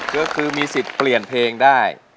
ก็คือมีสิทธิ์เปลี่ยนเพลงได้